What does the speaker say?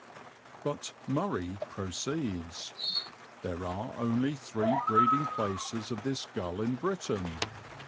But "Murray" proceeds: "There are only three breeding places of this gull in Britain."